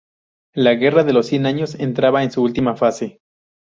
La Guerra de los Cien Años entraba en su última fase.